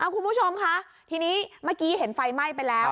คุณผู้ชมค่ะทีนี้เมื่อกี้เห็นไฟไหม้ไปแล้ว